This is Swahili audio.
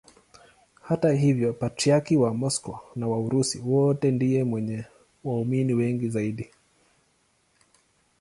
Hata hivyo Patriarki wa Moscow na wa Urusi wote ndiye mwenye waamini wengi zaidi.